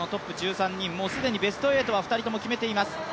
もう既にベスト８は２人とも決めています。